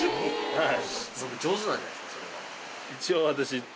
はい。